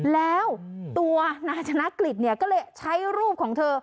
แล้วตัวนายธนกฤษเนี่ยก็เลยใช้รูปของเธอ